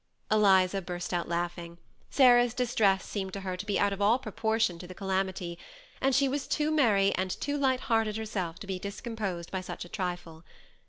Eliza burst out laughing ; Sarah's distress seemed to her to be out of all proportion to the calamity, and she was too merry and too light hearted herself to be dis composed by such a trifle.